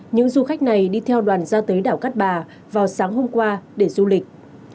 những du khách này đi theo đoàn ra tới đảo cát bà vào sáng hôm qua để du lịch